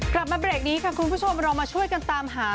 กลับมาเบรกนี้ค่ะคุณผู้ชมเรามาช่วยกันตามหา